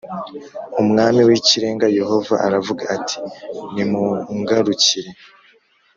Umwami w’ Ikirenga Yehova aravuga ati nimungarukire